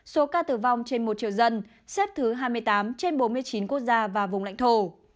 số ca tử vong trên một triệu dân xếp thứ hai mươi tám trên bốn mươi chín quốc gia và vùng lãnh thổ